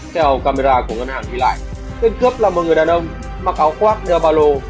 theo camera của ngân hàng ghi lại tên cướp là một người đàn ông mặc áo quát đeo bà lô